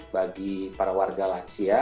bagi para warga lansia